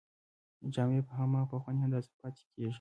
جامې په هماغه پخوانۍ اندازه پاتې کیږي.